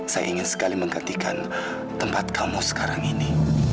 saya ingin sekali menggantikan tempat kamu sekarang ini